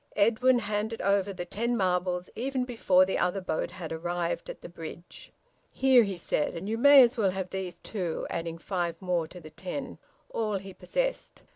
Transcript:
Edwin handed over the ten marbles even before the other boat had arrived at the bridge. "Here," he said. "And you may as well have these, too," adding five more to the ten, all he possessed.